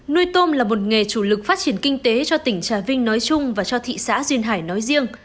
nuôi tôm là một nghề chủ lực phát triển kinh tế cho tỉnh trà vinh nói chung và cho thị xã duyên hải nói riêng